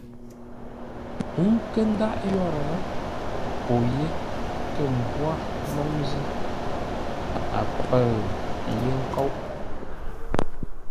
Ə́ nkə́ ndáʼ yórə́, pô yé kə̂ mbwór lóŋ zʉ́, a pə̂ʉ yé nkóʼ.